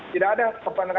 tidak ada kepentingan